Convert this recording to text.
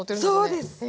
そうです。